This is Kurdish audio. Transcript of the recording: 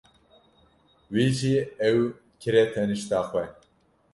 Wî jî ew kire tenişta xwe.